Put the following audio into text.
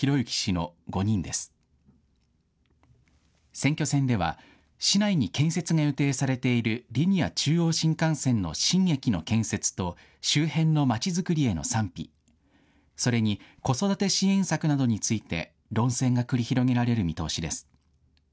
選挙戦では、市内に建設が予定されているリニア中央新幹線の新駅の建設と、周辺のまちづくりへの賛否、それに子育て支援策などについて論戦が繰り広げられる見通しです。